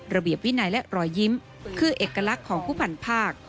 ระเบียบวินัยและรอยยิ้มคือเอกลักษณ์ของผู้พันภาค